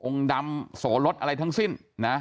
องค์ดำโสลดอะไรทั้งสิ้น